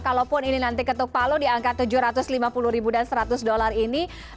kalaupun ini nanti ketuk palu di angka tujuh ratus lima puluh ribu dan seratus dolar ini